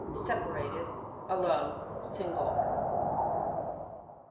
Sepa rated, alone, single.